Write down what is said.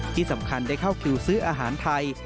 ที่สำคัญได้เข้าคิวซื้ออาหารไทย